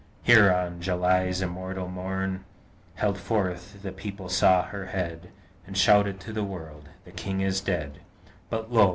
Where, on July's immortal morn Held forth, the People saw her head And shouted to the world: "The King is dead, But, lo!